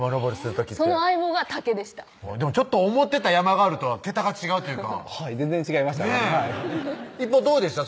その相棒が竹でしたでもちょっと思ってた山ガールとは桁が違うというかはい全然違いましたねねぇどうでした？